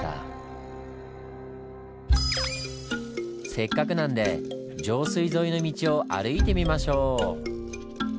せっかくなんで上水沿いの道を歩いてみましょう！